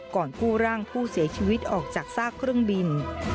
ก่อนกู้ร่างผู้เสียชีวิตออกจากซากเครื่องบิน